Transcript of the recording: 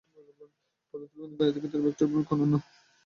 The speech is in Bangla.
পদার্থবিজ্ঞান ও গাণিতিক ক্ষেত্রে ভেক্টরের ভূমিকা অনন্য।